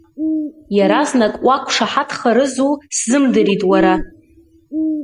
Иаразнак уақәшаҳаҭхарызу сзымдырит, уара.